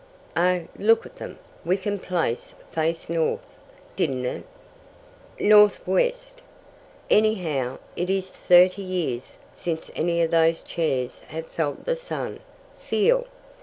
"Oh, look at them! Wickham Place faced north, didn't it?" "North west." "Anyhow, it is thirty years since any of those chairs have felt the sun. Feel.